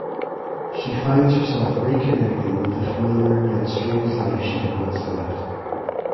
She finds herself reconnecting with the familiar yet strange life she had once left.